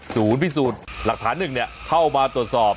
ศูนย์พิสูจน์หลักฐานหนึ่งเข้ามาตรวจสอบ